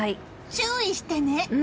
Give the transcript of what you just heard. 注意してね！